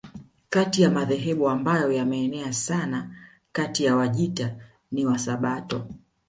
Kati ya madhehebu ambayo yameenea sana kati ya Wajita ni Wasabato